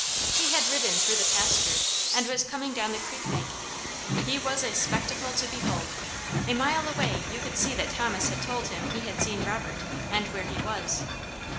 He had ridden through the pasture, and was coming down the creek bank. He was a spectacle to behold. A mile away you could see that Thomas had told him he had seen Robert, and where he was.